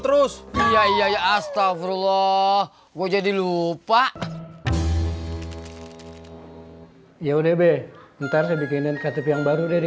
terus iya iya astagfirullah gue jadi lupa ya udah be ntar saya bikinin ktp yang baru dari